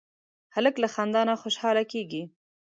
هلک له خندا نه خوشحاله کېږي.